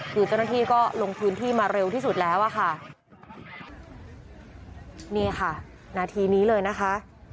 คือเจ้าหน้าที่ก็ลงพื้นที่มาเร็วที่สุดแล้วอ่ะค่ะนี่ค่ะนาทีนี้เลยนะคะ